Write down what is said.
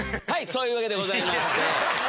そういうわけでございまして。